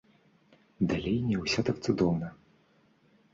Далей не ўсё так цудоўна.